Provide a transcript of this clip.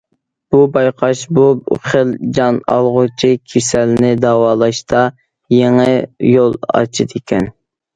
بۇ بايقاش بۇ خىل جان ئالغۇچى كېسەلنى داۋالاشتا يېڭى يول ئاچىدىكەن.